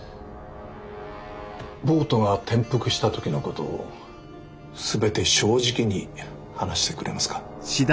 ボートが転覆した時のことを全て正直に話してくれますか？